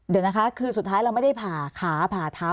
เดี๋ยวนะคะคือสุดท้ายเราไม่ได้ผ่าขาผ่าเท้า